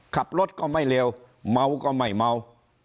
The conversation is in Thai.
ขับรถก็ไม่เร็วเมาก็ไม่เมา